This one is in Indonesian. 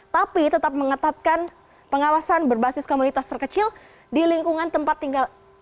tapi tetap mengetatkan pengawasan berbasis komunitas terkecil di lingkungan tempat tinggal